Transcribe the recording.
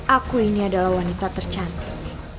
aku ini adalah wanita tercantik